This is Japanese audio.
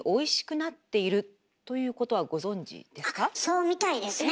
あっそうみたいですね！